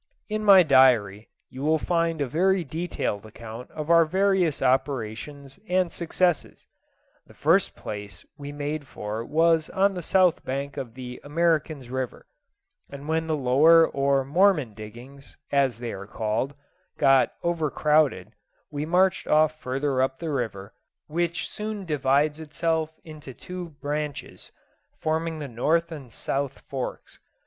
In my diary, you will find a very detailed account of our various operations and successes. The first place we made for was on the south bank of the Americans' River, and when the Lower or Mormon diggings, as they are called, got over crowded, we marched off further up the river, which soon divides itself into two branches, forming the North and South Forks.